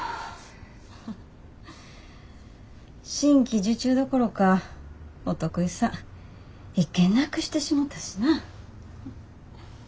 新規受注どころかお得意さん１件なくしてしもたしな。